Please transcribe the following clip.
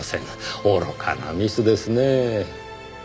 愚かなミスですねぇ。